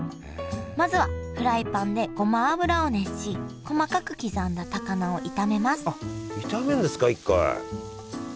まずはフライパンでごま油を熱し細かく刻んだ高菜を炒めますあっ炒めるんですか１回。